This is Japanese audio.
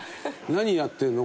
「何やってるの？